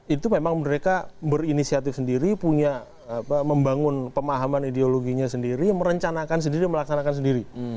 itu memang mereka berinisiatif sendiri punya membangun pemahaman ideologinya sendiri merencanakan sendiri melaksanakan sendiri